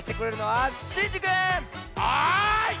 はい！